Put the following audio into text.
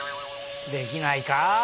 できないかあ。